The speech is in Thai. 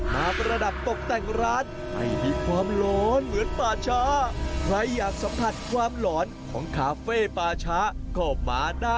มาประดับตกแต่งร้านให้ให้มีความหลอนเหมือนป่าชา